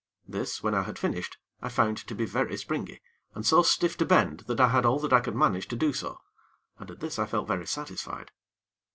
This, when I had finished, I found to be very springy, and so stiff to bend that I had all that I could manage to do so, and at this I felt very satisfied.